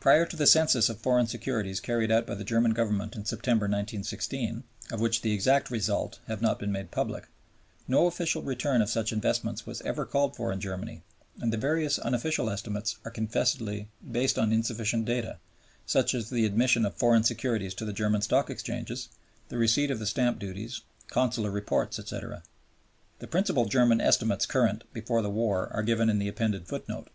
Prior to the census of foreign securities carried out by the German Government in September, 1916, of which the exact results have not been made public, no official return of such investments was ever called for in Germany, and the various unofficial estimates are confessedly based on insufficient data, such as the admission of foreign securities to the German Stock Exchanges, the receipts of the stamp duties, consular reports, etc. The principal German estimates current before the war are given in the appended footnote.